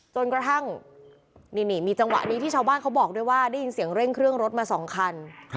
จนกระทั่งนี่มีจังหวะนี้ที่ชาวบ้านเขาบอกด้วยว่าได้ยินเสียงเร่งเครื่องรถมา๒คัน